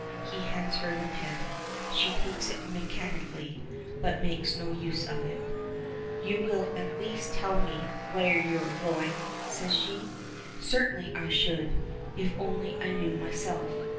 He hands her the pen; she takes it mechanically, but makes no use of it. "You will at least tell me where you are going?" says she. "Certainly I should, if I only knew myself.